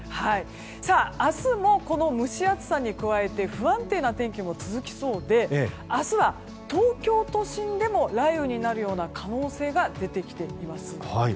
明日もこの蒸し暑さに加えて不安定な天気も続きそうで明日は東京都心でも雷雨になる可能性が出てきています。